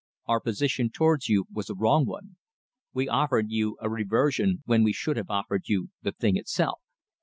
Our position towards you was a wrong one. We offered you a reversion when we should have offered you the thing itself."